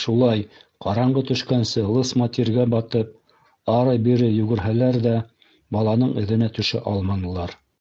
Шулай ҡараңғы төшкәнсе лысма тиргә батып, ары-бире йүгерһәләр ҙә баланың эҙенә төшә алманылар.